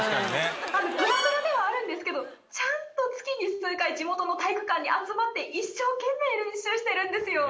グダグダではあるんですけどちゃんと月に数回地元の体育館に集まって一生懸命練習してるんですよ。